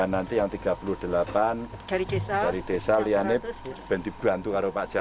nanti yang tiga puluh delapan dari desa lianip dibantu oleh pak jar